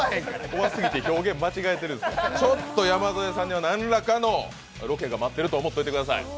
怖すぎて表現間違えてるんです、ちょっと山添さんには何らかのロケが待ってると思ってください。